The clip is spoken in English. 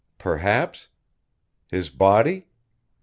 perhaps?... His body?